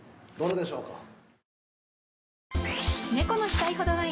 どれでしょうか？